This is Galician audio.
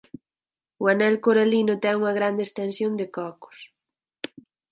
O anel coralino ten unha grande extensión de cocos.